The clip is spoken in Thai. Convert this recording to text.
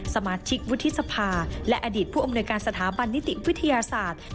สมาชิกวุฒิสภาและอดีตผู้อำนวยการสถาบันนิติวิทยาศาสตร์